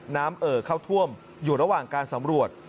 เอ่อเข้าท่วมอยู่ระหว่างการสำรวจ